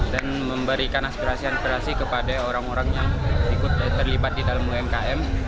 dan memberikan aspirasi aspirasi kepada orang orang yang terlibat di dalam umkm